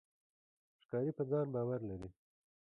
ښکاري په ځان باور لري.